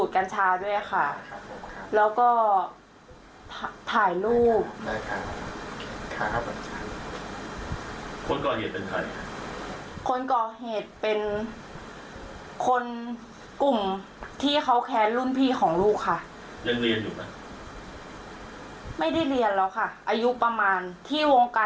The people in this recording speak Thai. ไม่ได้เรียนเลยหรอกคะอายุประมาณ๓ประมาณอายุ๓๐กว่าแล้วค่ะ